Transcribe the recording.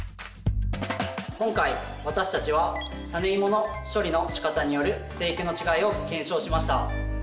今回私たちはタネイモの処理の仕方による生育の違いを検証しました。